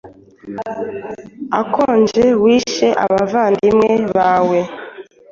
akonje wishe abavandimwe bawe